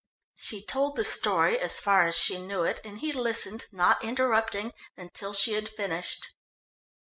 She told the story as far as she knew it and he listened, not interrupting, until she had finished.